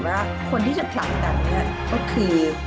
ว่าคนที่จะผลักกันก็คือ